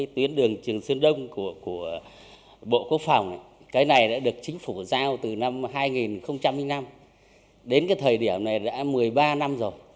đến cái thời điểm này đã một mươi ba năm rồi